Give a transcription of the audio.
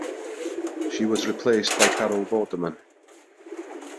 She was replaced by Carol Vorderman.